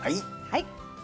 はい。